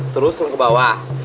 lurus terus ke bawah